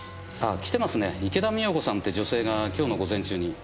池田美代子さんって女性が今日の午前中に。